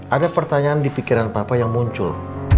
ada pertanyaan di pikiran bapak yang muncul